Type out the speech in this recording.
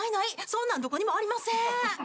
そんなのどこにもありません！